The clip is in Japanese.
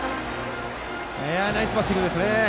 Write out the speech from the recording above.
ナイスバッティングですね。